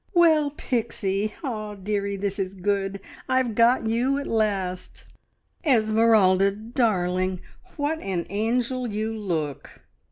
"Well, Pixie! Ah, dearie, this is good. I've got you at last." "Esmeralda, darling! What an angel you look!"